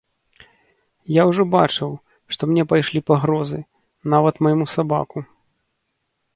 Я ўжо бачыў, што мне пайшлі пагрозы, нават майму сабаку.